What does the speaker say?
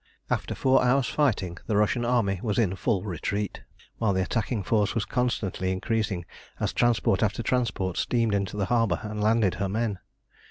After four hours' fighting the Russian army was in full retreat, while the attacking force was constantly increasing as transport after transport steamed into the harbour and landed her men.